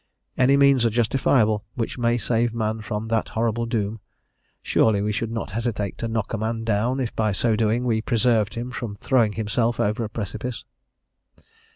Any means are justifiable which may save man from that horrible doom; surely we should not hesitate to knock a man down, if by so doing we preserved him from throwing himself over a precipice.